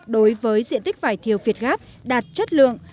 đối với diện tích vải thiều việt gáp đạt chất lượng